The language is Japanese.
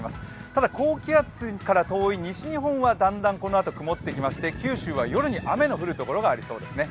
ただ、高気圧から遠い西日本はだんだんこのあと曇ってきまして、九州は夜に雨の降るところがありそうですね。